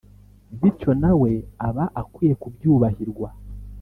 bityo na we aba akwiye kubyubahirwa